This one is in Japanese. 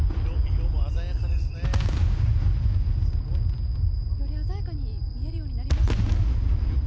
より鮮やかに見えるようになりましたね。